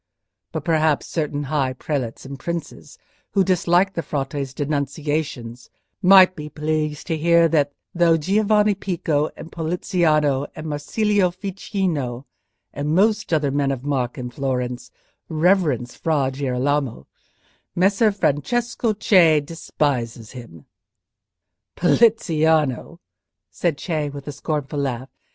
But perhaps certain high prelates and princes who dislike the Frate's denunciations might be pleased to hear that, though Giovanni Pico, and Poliziano, and Marsilio Ficino, and most other men of mark in Florence, reverence Fra Girolamo, Messer Francesco Cei despises him." "Poliziano?" said Cei, with a scornful laugh.